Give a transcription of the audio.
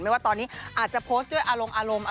ไม่ว่าตอนนี้อาจจะโพสต์ด้วยอารมณ์